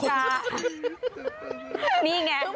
คำสุดอย่างงี้